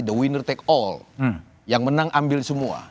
the winner take all yang menang ambil semua